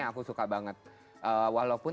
aku suka banget walaupun